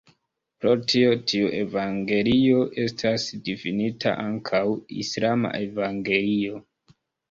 Pro tio tiu evangelio estas difinita ankaŭ "islama evangelio".